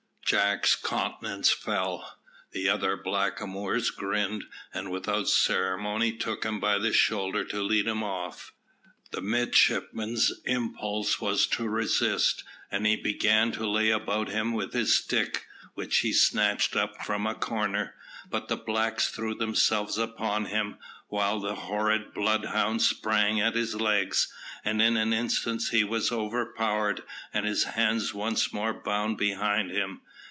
Jack's countenance fell. The other blackamoors grinned, and without ceremony took him by the shoulder to lead him off. The midshipman's impulse was to resist, and he began to lay about him with his stick, which he snatched up from a corner, but the blacks threw themselves upon him, while the horrid bloodhound sprang at his legs, and in an instant he was overpowered, and his hands once more bound behind him.